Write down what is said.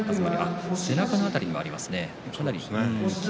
背中の辺りにもありますね。